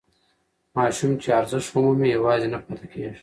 ماشوم چې ارزښت ومومي یوازې نه پاتې کېږي.